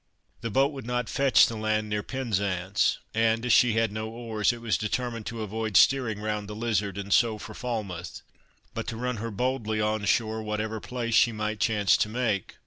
The boat would not fetch the land near Penzance, and, as she had no oars, it was determined to avoid steering round the Lizard and so for Falmouth, but to run her boldly on shore, whatever place she might chance to make.